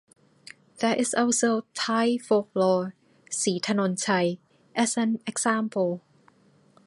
There is also Thai folklore, Sri Thanonchai as an example.